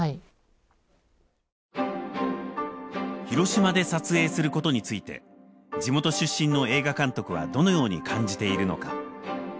広島で撮影することについて地元出身の映画監督はどのように感じているのか。